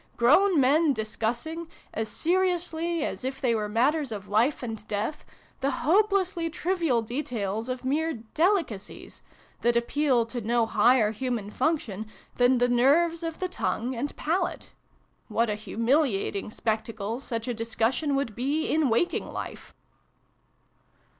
" Grown men discussing, as seriously as if they were matters of life and death, the hopelessly trivial details of mere delicacies, that appeal to no higher human function than the nerves of the tongue and palate ! What a humiliating spectacle such a discussion would be in waking life